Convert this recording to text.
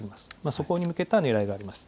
そこに向けたねらいがあります。